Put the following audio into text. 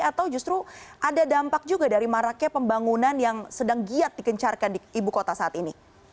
atau justru ada dampak juga dari maraknya pembangunan yang sedang giat dikencarkan di ibu kota saat ini